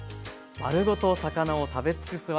丸ごと魚を食べ尽くす技